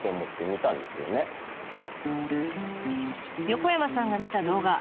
横山さんが見た動画。